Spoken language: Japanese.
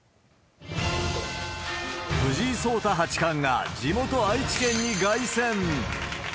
藤井聡太八冠が、地元、愛知県に凱旋。